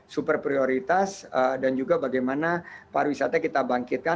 super prioritas dan juga bagaimana pariwisata kita bangkitkan